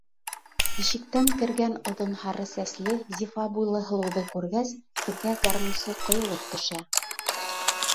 Ишектән кергән оҙон һары сәсле, зифа буйлы һылыуҙы күргәс, текә гармунсы ҡойолоп төшә.